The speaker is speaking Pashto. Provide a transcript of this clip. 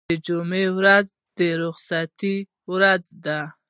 د جمعې ورځ د رخصتۍ ورځ ده.